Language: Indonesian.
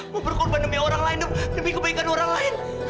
mau berkorban demi orang lain dong demi kebaikan orang lain